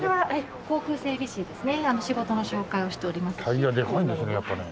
タイヤでかいんですねやっぱね。